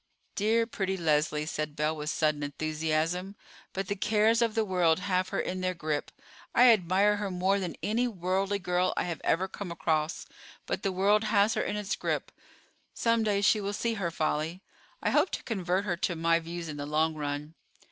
"Dear, pretty Leslie!" said Belle with sudden enthusiasm. "But the cares of the world have her in their grip. I admire her more than any worldly girl I have ever come across; but the world has her in its grip. Some day she will see her folly. I hope to convert her to my views in the long run."